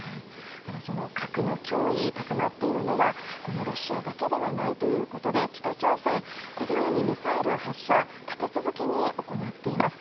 ただ、その核の脅威高まっているのは、このロシアだけではないということで、北朝鮮、このようにミサイル発射、立て続けに行っています。